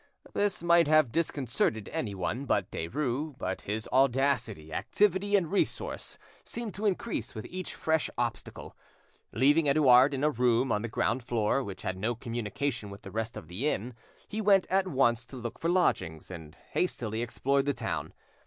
This might have disconcerted anyone but Derues, but his audacity, activity, and resource seemed to increase with each fresh obstacle. Leaving Edouard in a room on the ground floor which had no communication with the rest of the inn, he went at once to look for lodgings, and hastily explored the town.